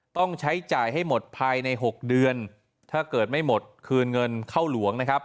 ต้องใช้จ่ายให้หมดภายใน๖เดือนถ้าเกิดไม่หมดคืนเงินเข้าหลวงนะครับ